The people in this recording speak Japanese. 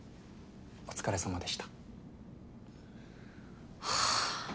お疲れさまでしたハァ